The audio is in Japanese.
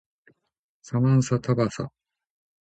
サマンサタバサ